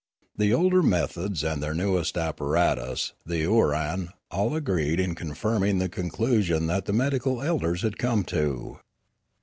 Their older methods and their newest apparatus, the ooaran, all agreed in confirm ing the conclusion that the medical elders had come to.